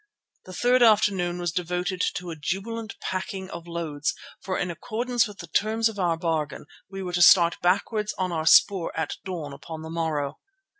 The third afternoon was devoted to a jubilant packing of loads, for in accordance with the terms of our bargain we were to start backwards on our spoor at dawn upon the morrow.